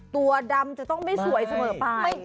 ตัวดำจะต้องไม่สวยเสมอไป